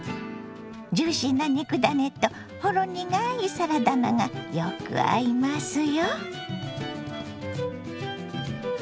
ジューシーな肉ダネとほろ苦いサラダ菜がよく合いますよ。